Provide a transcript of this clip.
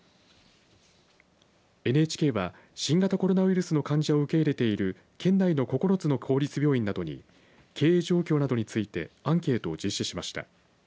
ＮＨＫは新型コロナウイルスの患者を受け入れている県内の９つの公立病院などに経営状況などについてアンケートを実施しました。